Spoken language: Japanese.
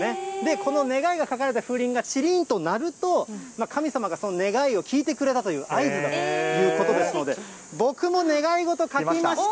この願いが書かれた風鈴がちりんと鳴ると、神様が願いを聞いてくれたという合図ということですので、僕も願い事、書きました。